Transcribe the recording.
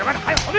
はい！